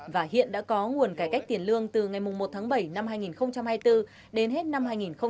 và hiện đã có nguồn cải cách tiền lương từ ngày một tháng bảy năm hai nghìn hai mươi bốn đến hết năm hai nghìn hai mươi bốn